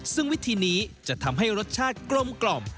ซึ่งวิธีนี้จะทำให้รสชาติกลม